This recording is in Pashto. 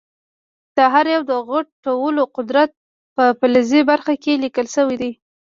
د هر یو د غټولو قدرت په فلزي برخه کې لیکل شوی دی.